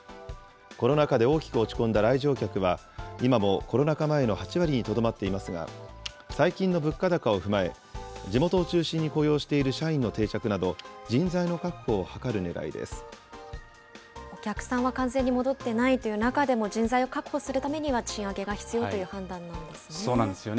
コロナ禍で大きく落ち込んだ来場客は、今もコロナ禍前の８割にとどまっていますが、最近の物価高を踏まえ、地元を中心に雇用している社員の定着など、人材の確保お客さんは完全に戻ってないという中でも、人材を確保するためには賃上げが必要という判断なそうなんですよね。